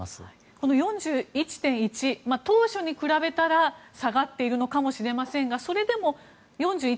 この４１．１当初に比べたら下がっているのかもしれませんがそれでも４１